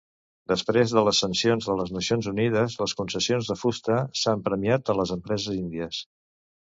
Després de les sancions de les Nacions Unides, les concessions de fusta s'han premiat a les empreses índies.